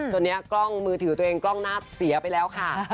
ตอนนี้กล้องมือถือตัวเองกล้องหน้าเสียไปแล้วค่ะ